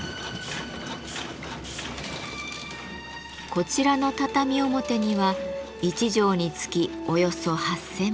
こちらの畳表には１畳につきおよそ８，０００本。